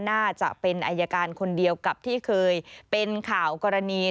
น่าจะเป็นอายการคนเดียวกับที่เคยเป็นข่าวกรณี